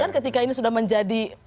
dan ketika ini sudah menjadi